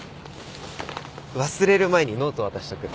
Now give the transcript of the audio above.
忘れる前にノート渡しとく。